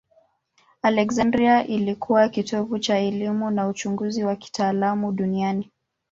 Aleksandria ilikuwa kitovu cha elimu na uchunguzi wa kitaalamu duniani.